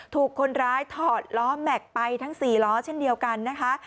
ถูกคนร้ายถอดล้อแม็กซ์ไปทั้ง๔ล้อเช่นเดียวกันนะคะ